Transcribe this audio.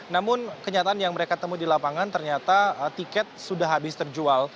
namun kenyataan yang mereka temui di lapangan ternyata tiket sudah habis terjual